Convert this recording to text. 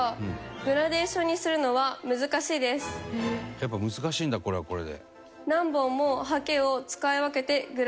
やっぱ難しいんだこれはこれで。